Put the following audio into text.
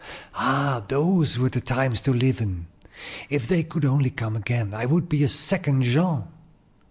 "Ah, those were the times to live in! If they could only come again, I would be a second Jean!"